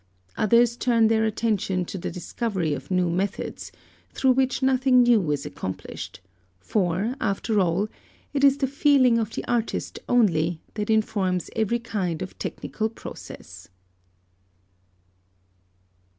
Others turn their attention to the discovery of new methods, through which nothing new is accomplished; for, after all, it is the feeling of the artist only that informs every kind of technical process.